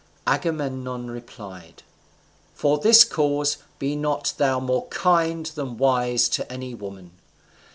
Agamemnon replied, "For this cause be not thou more kind than wise to any woman.